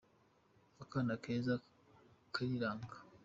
Akana keza kariranga.